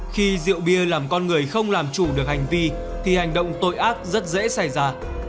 khi rượu bia làm con người không làm chủ được hành vi thì hành động tội ác rất dễ xảy ra